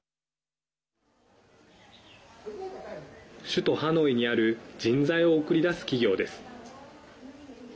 首都ハノイにある人材を送り出す企業です。